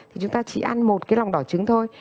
thì chúng ta chỉ ăn một cái lòng đỏ trứng thôi